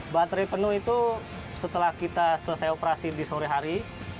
baterai penuh itu setelah kita selesai operasi di sore hari